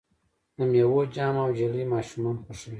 د میوو جام او جیلی ماشومان خوښوي.